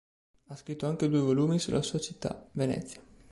Ha scritto anche due volumi sulla sua città, Venezia.